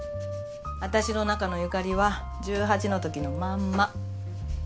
私の中の由香里は１８の時のまんま。